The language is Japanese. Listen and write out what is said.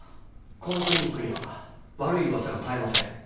このクリニックには悪いうわさが絶えません。